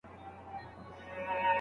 دروني ارامي په ژوند کي اړینه ده.